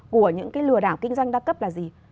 của những cái lừa đảo kinh doanh đa cấp là gì